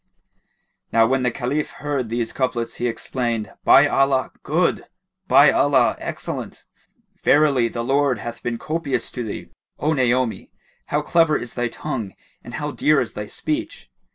Now when the Caliph heard these couplets, he exclaimed, "By Allah, good! By Allah, excellent! Verily the Lord hath been copious[FN#19] to thee, O Naomi! How clever is thy tongue and how dear is thy speech!"